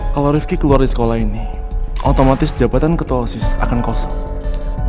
kalau rifki keluar di sekolah ini otomatis jabatan ketua osis akan kosong